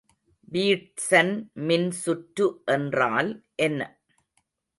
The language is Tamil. வீட்சன் மின்சுற்று என்றால் என்ன?